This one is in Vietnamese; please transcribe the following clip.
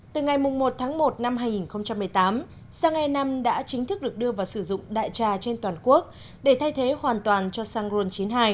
từ ngày một tháng một năm hai nghìn một mươi tám xăng e năm đã chính thức được đưa vào sử dụng đại trà trên toàn quốc để thay thế hoàn toàn cho xăng ron chín mươi hai